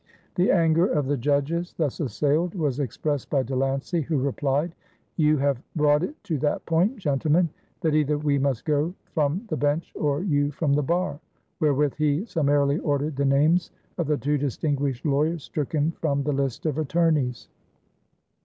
The anger of the judges thus assailed was expressed by De Lancey, who replied: "You have brought it to that point, gentlemen, that either we must go from the bench or you from the bar," wherewith he summarily ordered the names of the two distinguished lawyers stricken from the list of attorneys.